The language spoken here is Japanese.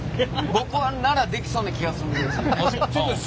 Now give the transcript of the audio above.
僕ならできそうな気がするんです。